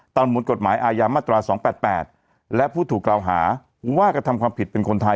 ตามประมวลกฎหมายอายามมาตราสองแปดแปดและผู้ถูกกล่าวหาว่ากระทำความผิดเป็นคนไทย